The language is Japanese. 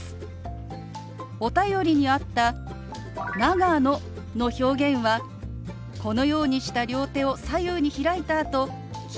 お便りにあった「長野」の表現はこのようにした両手を左右に開いたあと利き手